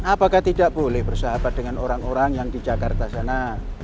apakah tidak boleh bersahabat dengan orang orang yang di jakarta sana